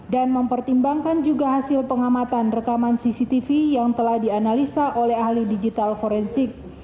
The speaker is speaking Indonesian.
dan mempertimbangkan juga hasil pengamatan rekaman cctv yang telah dianalisa oleh ahli digital forensik